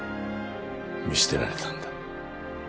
見捨てられたんだ